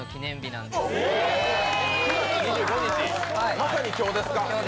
まさに今日ですか？